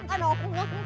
makan pak lurah